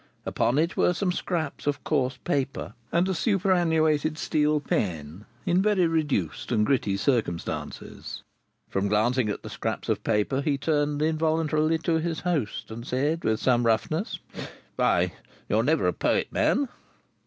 Upon it, were some scraps of coarse paper, and a superannuated steel pen in very reduced and gritty circumstances. From glancing at the scraps of paper, he turned involuntarily to his host, and said, with some roughness— "Why, you are never a poet, man!"